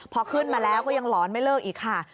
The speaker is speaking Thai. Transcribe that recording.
พอขึ้นมาแล้วก็ยังหลอนไม่เลิกอีกค่ะ